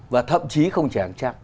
và thậm chí không chỉ hàng trăm